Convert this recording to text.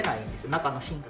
中の芯が。